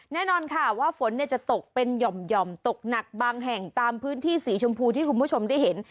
แน่นอนค่ะว่าฝนจะตกเป็นหย่อมตกหนักบางแห่งตามพื้นที่สีชมพูที่คุณผู้ชมได้เห็น